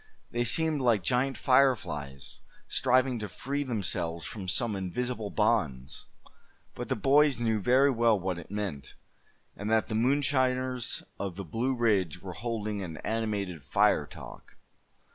They seemed like giant fireflies, striving to free themselves from some invisible bonds. But the boys knew very well what it meant, and that the moonshiners of the Blue Ridge were holding an animated fire talk.